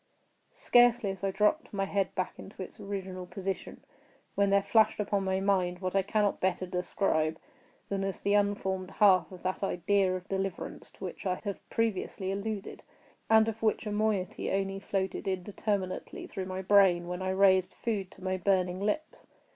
Scarcely had I dropped my head back into its original position, when there flashed upon my mind what I cannot better describe than as the unformed half of that idea of deliverance to which I have previously alluded, and of which a moiety only floated indeterminately through my brain when I raised food to my burning lips.